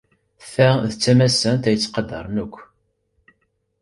Ta d tamassant ay ttqadaren akk.